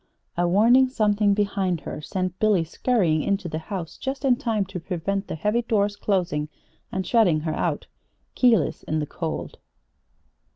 A warning something behind her sent Billy scurrying into the house just in time to prevent the heavy door's closing and shutting her out, keyless, in the cold.